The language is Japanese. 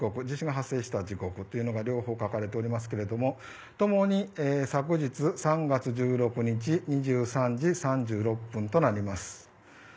地震が発生時刻というのが両方書かれておりますが共に、昨日３月１６日２３時３６分となります。